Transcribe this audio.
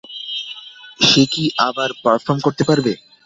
সে কি আবার পারফর্ম করতে পারবে?